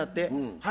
はい。